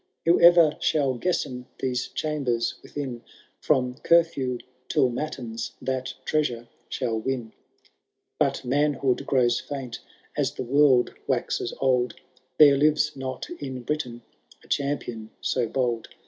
' Whoever shall guesten these chambers within. From curfew till matins^ that treasure shall win. But manhood grows famt as the world waxes old ; There lives not in Britain a champion so bold.